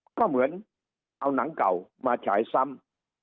ก็เหมือนเอาหนังเก่ามาฉายซ้ำ